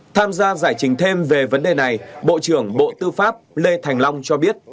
tham gia giải trình thêm về vấn đề này bộ trưởng bộ tư pháp lê thành long cho biết